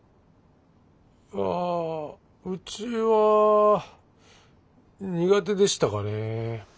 ああうちは苦手でしたかね。